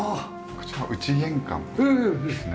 こちらは内玄関ですね。